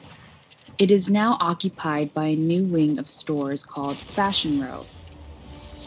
It is now occupied by a new wing of stores called "Fashion Row".